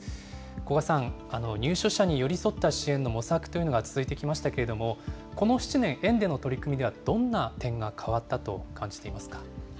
古賀さん、入所者に寄り添った支援の模索というのが続いてきましたけれども、この７年、園での取り組みはどんな点が変わったと感じていますか？